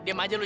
diam aja lu